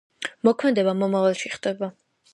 მოქმედება მომავალში ხდება.